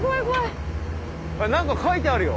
あなんか書いてあるよ。